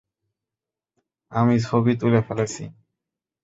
আমি ছবি তুলে ফেলেছি।